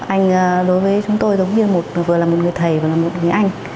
anh đối với chúng tôi giống như một vừa là một người thầy vừa là một người anh